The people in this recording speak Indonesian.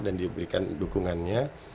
dan diberikan dukungannya